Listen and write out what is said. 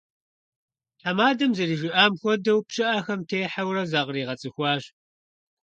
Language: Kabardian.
Тхьэмадэм зэрыжиӀам хуэдэу, пщыӀэхэм техьэурэ закъригъэцӀыхуащ.